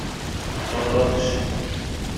τον ρώτησε.